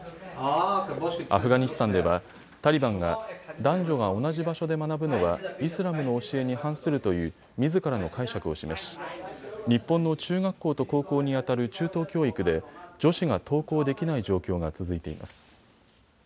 アフガニスタンではタリバンが男女が同じ場所で学ぶのはイスラムの教えに反するというみずからの解釈を示し、日本の中学校と高校に当たる中等教育で女子が登校できない状況が続いています。